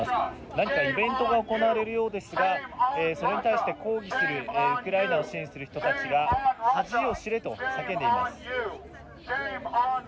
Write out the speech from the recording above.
何かイベントが行われるようですがそれに対して抗議するウクライナを支援する人たちが恥を知れと叫んでいます。